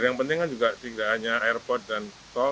yang penting kan juga tidak hanya airport dan tol